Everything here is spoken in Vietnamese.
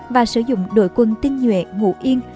và sử dụng đội quân tinh nhuệ ngụ yên